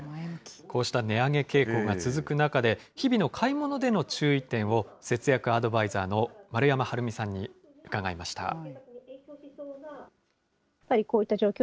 こうした値上げ傾向が続く中で、日々の買い物での注意点を、節約アドバイザーの丸山晴美さんに伺いました。